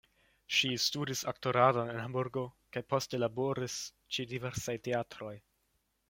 Ŝi studis aktoradon en Hamburgo kaj poste laboris ĉe diversaj teatroj.